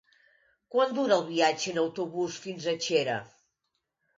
Quant dura el viatge en autobús fins a Xera?